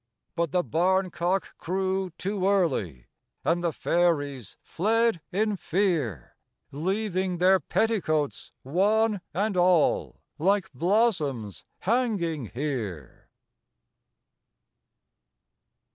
But the barn cock crew too early, And the Fairies fled in fear, Leaving their petticoats, one and all, Like blossoms hanging here.